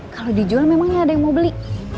kalau dijual memangnya ada yang mau beli